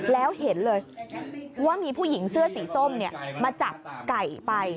แล้วเห็นเลยว่ามีผู้หญิงเสื้อสีส้มมาจับไก่ไป